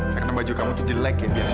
karena baju kamu tuh jelek ya biasa